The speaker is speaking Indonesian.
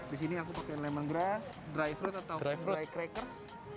disini aku pake lemongrass dry fruit atau dry crackers